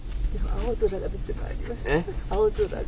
青空が出てまいりました、青空が。